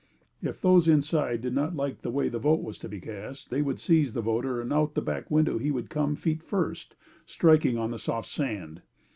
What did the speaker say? If those inside did not like the way the vote was to be cast, they would seize the voter and out the back window he would come feet first, striking on the soft sand.